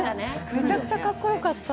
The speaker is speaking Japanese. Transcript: めちゃくちゃかっこよかった。